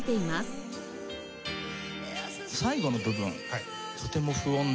最後の部分とても不穏な。